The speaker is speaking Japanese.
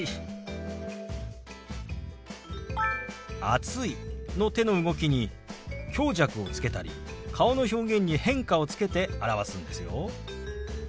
「暑い」の手の動きに強弱をつけたり顔の表現に変化をつけて表すんですよ。